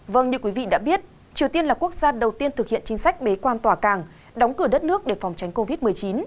vâng như quý vị đã biết triều tiên là quốc gia đầu tiên thực hiện chính sách bế quan tòa càng đóng cửa đất nước để phòng tránh covid một mươi chín